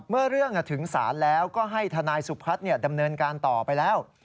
เมื่อเรื่องถึงศาลแล้วก็ให้ทนายสุพัฒน์ดำเนินการต่อไปแล้ว